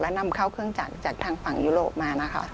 นำเข้าเครื่องจักรจากทางฝั่งยุโรปมานะคะ